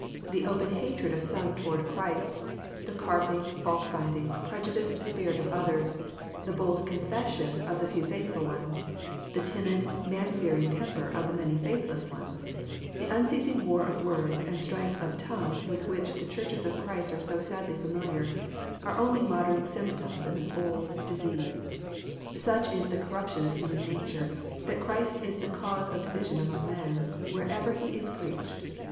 The open hatred of some toward Christ, — ^the carping, fault finding, prejudiced spirit of others, — the bold confession of the few faithful ones, — the timid, man fearing temper of the many faithless ones, — the unceasing war of words and strife of tongues with which the Churches of Christ are so sadly familiar, — are only modern symptoms of an old dis ease. Such is the corruption of human nature, that Christ is the cause of division among men, wherever He is preached.